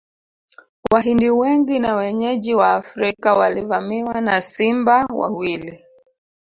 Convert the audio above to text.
Wahindi wengi na wenyeji Waafrika walivamiwa na simba wawili